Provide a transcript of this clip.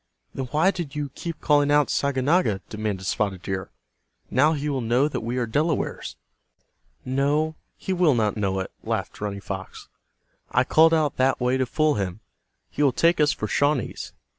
"Then why did you keep calling out 'Saganaga'?" demanded Spotted Deer. "Now he will know that we are Delawares." "No, he will not know it," laughed Running Fox. "I called out that way to fool him. He will take us for Shawnees.